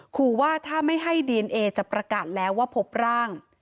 ขอว่าถ้าไม่ให้ดีเอนเอจะประกาศแล้วว่าพบร่าง